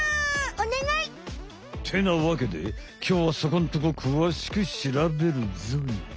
おねがい！ってなわけできょうはそこんとこくわしくしらべるぞい。